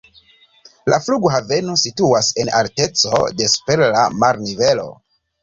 La flughaveno situas en alteco de super la marnivelo.